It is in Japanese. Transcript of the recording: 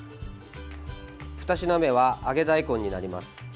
２品目は揚げ大根になります。